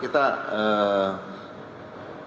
sama tadi yang saya sampaikan